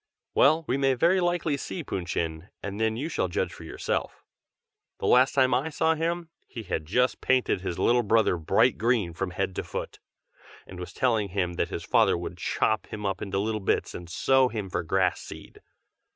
well, we may very likely see Pun Chin, and then you shall judge for yourself. The last time I saw him, he had just painted his little brother bright green from head to foot, and was telling him that his father would chop him up into little bits and sow him for grass seed.